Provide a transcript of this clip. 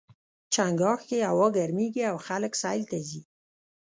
چنګاښ کې هوا ګرميږي او خلک سیل ته ځي.